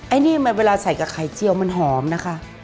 อันนี้เวลาใส่กับไข่เจียวมันหอมนะคะ